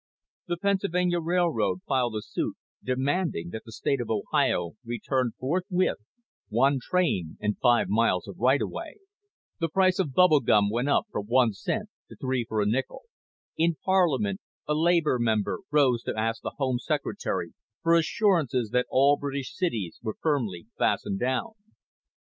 The Pennsylvania Railroad filed a suit demanding that the state of Ohio return forthwith one train and five miles of right of way. The price of bubble gum went up from one cent to three for a nickel. In Parliament a Labour member rose to ask the Home Secretary for assurances that all British cities were firmly fastened down.